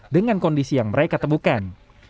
dengan kondisi yang mereka temukan